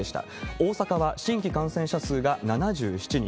大阪は新規感染者数が７７人。